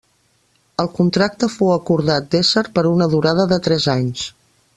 El contracte fou acordat d'ésser per una durada de tres anys.